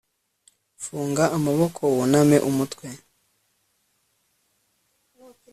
funga amaboko wuname umutwe